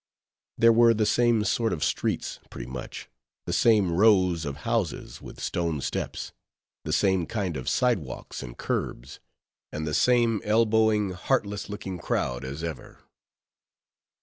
There were the same sort of streets pretty much; the same rows of houses with stone steps; the same kind of side walks and curbs; and the same elbowing, heartless looking crowd as ever.